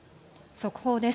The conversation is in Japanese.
速報です。